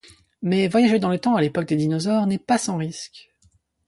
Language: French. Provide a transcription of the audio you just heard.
Mais voyager dans le temps à l'époque des dinosaures n'est pas sans risque...